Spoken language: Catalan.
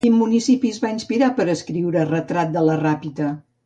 En quin municipi es va inspirar per escriure Retrat de la Ràpita?